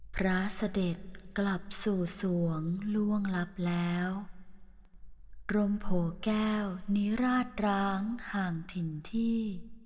พระเสด็จกลับสู่สวงล่วงลับแล้วกรมโผแก้วนิราชร้างห่างถิ่นที่